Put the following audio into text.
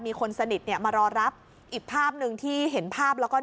มีคนสนิทเนี่ยมารอรับอีกภาพหนึ่งที่เห็นภาพแล้วก็